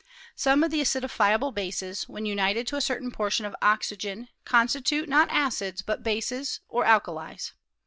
Some of the acidifiable bases, when united to a certain portion of oxygen, constitute, not acids, but bases or alkalies.